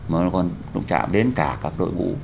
mà nó còn động trạm đến cả các đội bộ